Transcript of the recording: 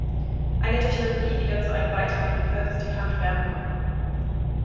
Eine Technologie, die dazu einen Beitrag liefert, ist die Kraft-Wärme-Kopplung.